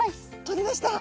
とりました。